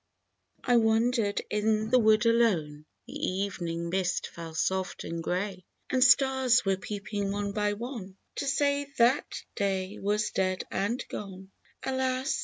IWANDER'D in the wood alone, The ev'ning mist fell soft and grey, And stars were peeping one by one To say that day was dead and gone, Alas